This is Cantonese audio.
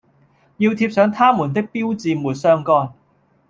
要貼上它們的標誌沒相干